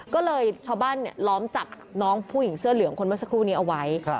ก็เลยชาวบ้านล้อมจับน้องผู้หญิงเสื้อเหลืองคนเมื่อสักครู่นี้เอาไว้